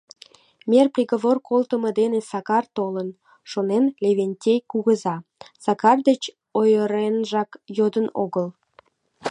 «Мер приговор колтымо дене Сакар толын», — шонен Левентей кугыза, Сакар деч ойыренжак йодын огыл.